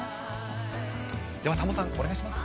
ではタモさん、お願いします。